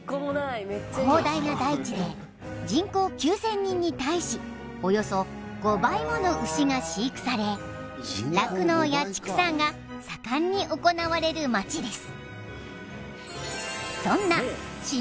広大な大地で人口９０００人に対しおよそ５倍もの牛が飼育されが盛んに行われる町です